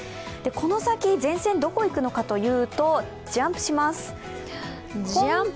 この先、前線どこへ行くのかというとジャンプします。